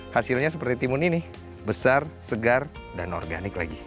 hasilnya seperti timun ini besar segar dan organik lagi